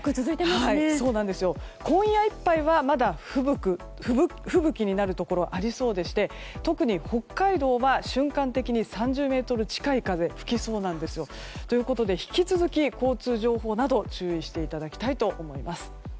今夜いっぱいはまだ吹雪になるところありそうでして特に北海道は瞬間的に３０メートル近い風が吹きそうなんですよ。ということで引き続き、交通情報など注意していただきたいと思います。